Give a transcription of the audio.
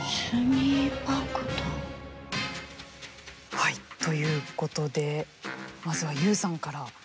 はいということでまずはＹＯＵさんから。